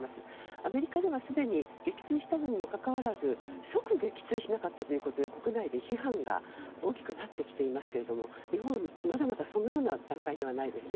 アメリカには、すでに撃墜したにもかかわらず即撃墜しなかったということで国内で批判が大きくなってきていますが日本はまだまだそのような段階ではないですね。